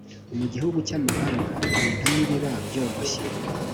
mu gihugu cy’amahanga ibintu nibiba byoroshye.